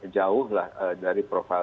jauh dari profil